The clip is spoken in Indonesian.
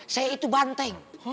saya itu banteng